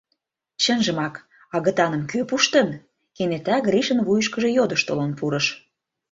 «Чынжымак, агытаным кӧ пуштын? — кенета Гришын вуйышкыжо йодыш толын пурыш.